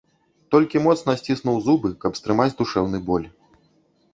Толькі моцна сціснуў зубы, каб стрымаць душэўны боль.